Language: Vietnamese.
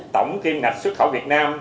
tổng kiên ngạch xuất khẩu việt nam